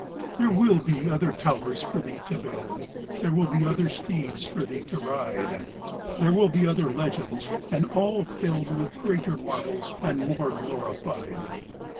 There will be other towers for thee to build; There will be other steeds for thee to ride; There will be other legends, and all filled With greater marvels and more glorified.